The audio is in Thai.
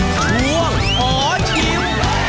ช่วงขอชิม